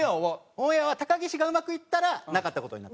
オンエアは高岸がうまくいったらなかった事になってます。